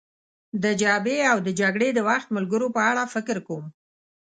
د جبهې او د جګړې د وخت ملګرو په اړه فکر کوم.